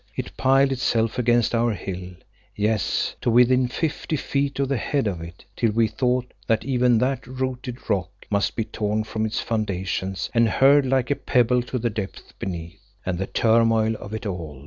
It piled itself against our hill, yes, to within fifty feet of the head of it, till we thought that even that rooted rock must be torn from its foundations and hurled like a pebble to the deeps beneath. And the turmoil of it all!